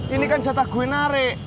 ini kan jatah gue narik